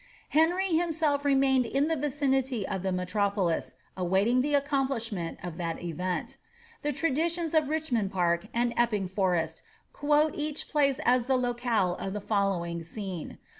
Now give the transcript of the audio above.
Henry himself re mained in the vicinity of the metropolis, awaiting the accomplishment of that event The traditions of Richmond Park and Epping Forest quote each place as the locale of the following scene.'